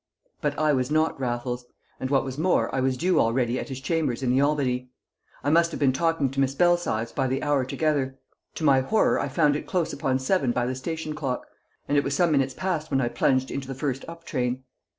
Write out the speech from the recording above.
But I was not Raffles, and what was more I was due already at his chambers in the Albany. I must have been talking to Miss Belsize by the hour together; to my horror I found it close upon seven by the station clock; and it was some minutes past when I plunged into the first up train.